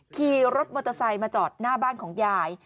ขี่รถมอเตอร์ไซค์มาจอดหน้าบ้านของยาย